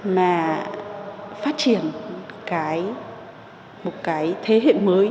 mà phát triển một cái thế hệ mới